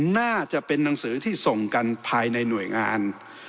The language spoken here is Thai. น่าจะเป็นหนังสือที่ส่งกันภายในหน่วยงาน